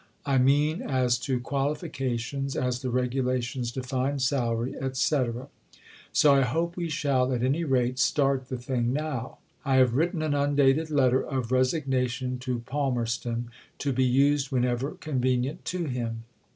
I mean as to qualifications, as the Regulations define salary, etc. So I hope we shall at any rate start the thing now. I have written an undated letter of resignation to Palmerston to be used whenever convenient to him.